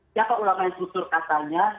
siapa ulama yang gusur katanya